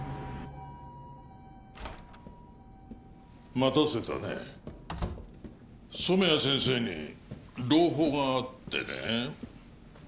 待たせたね染谷先生に朗報があってね